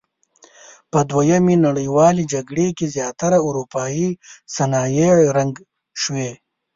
په دویمې نړیوالې جګړې کې زیاتره اورپایي صنایع رنګ شوي.